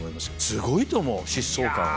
すごいと思う疾走感は。